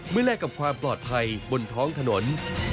แลกกับความปลอดภัยบนท้องถนน